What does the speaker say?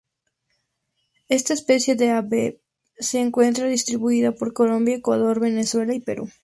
Esta especie de ave se encuentra distribuida por Colombia, Ecuador, Venezuela y Perú.